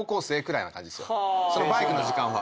そのバイクの時間は。